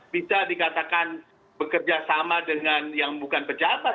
bisa dikatakan bekerja sama dengan yang bukan pejabat